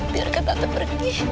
biarkan tante pergi